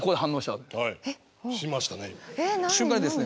はいしましたね。